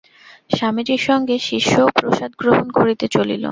স্বামীজীর সঙ্গে শিষ্যও প্রসাদ গ্রহণ করিতে চলিল।